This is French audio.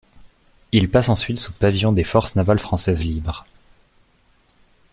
Il passe ensuite sous pavillon des Forces navales françaises libres.